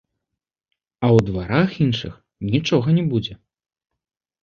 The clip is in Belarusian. А ў дварах іншых нічога не будзе.